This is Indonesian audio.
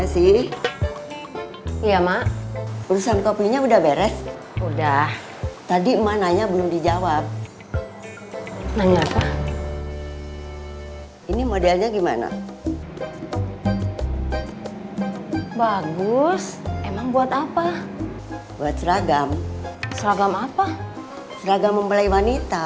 sampai jumpa di video selanjutnya